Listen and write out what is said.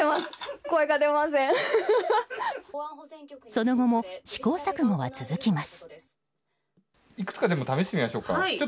その後も試行錯誤は続きます。